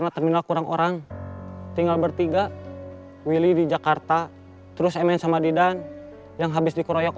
apa yang terjadi